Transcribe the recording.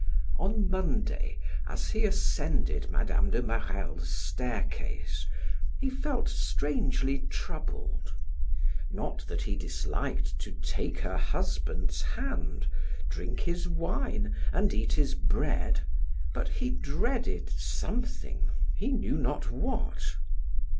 On Monday as he ascended Mme. de Marelle's staircase, he felt strangely troubled; not that he disliked to take her husband's hand, drink his wine, and eat his bread, but he dreaded something, he knew not what.